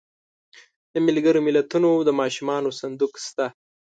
د ملګرو ملتونو د ماشومانو صندوق شته.